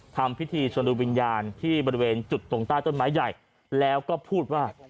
ทำพิธีชนดูวิญญาณที่บริเวณจุดตรงใต้ต้นไม้ใหญ่แล้วก็พูดว่า